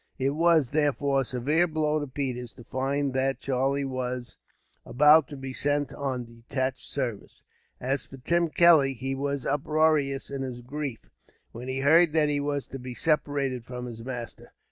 It was, therefore, a severe blow to Peters, to find that Charlie was about to be sent on detached service. As for Tim Kelly, he was uproarious in his grief, when he heard that he was to be separated from his master.